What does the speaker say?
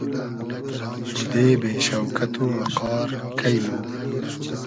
بودې بې شۆکئت و وئقار کݷ مۉ